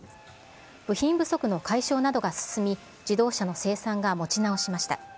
部品不足の解消などが進み、自動車の生産が持ち直しました。